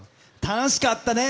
楽しかったです。